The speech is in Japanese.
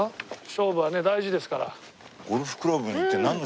勝負はね大事ですから。